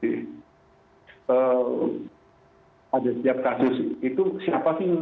pada setiap kasus itu siapa sih